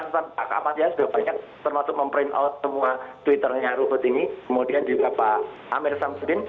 pesan pak ahmad ya sudah banyak termasuk memprain out semua twitternya ruhut ini kemudian juga pak amir samsudin